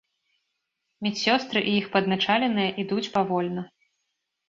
Медсёстры і іх падначаленыя ідуць павольна.